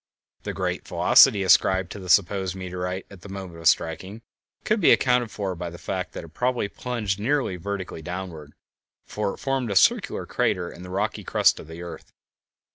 [Illustration: Trail on south side, Coon Butte crater] The great velocity ascribed to the supposed meteorite at the moment of striking could be accounted for by the fact that it probably plunged nearly vertically downward, for it formed a circular crater in the rocky crust of the earth.